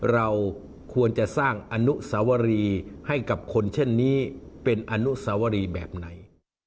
เราควรจะสร้างอนุสวรีให้กับคนเช่นนี้เป็นอนุสวรีแบบไหน